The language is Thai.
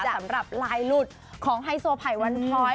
สำหรับลายหลุดของไฮโซไผ่วันพ้อย